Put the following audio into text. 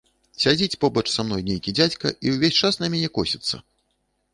Сядзіць побач са мной нейкі дзядзька і ўвесь час на мяне косіцца.